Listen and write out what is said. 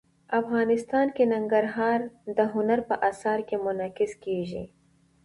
افغانستان کې ننګرهار د هنر په اثار کې منعکس کېږي.